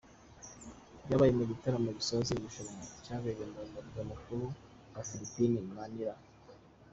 Byabaye mu gitaramo gisoza iri rushanwa cyabereye mu murwa mukuru wa Philippines, Manila.